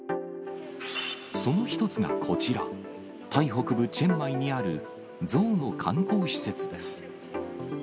その一つがこちら、タイ北部チェンマイにあるゾウの観光施設です。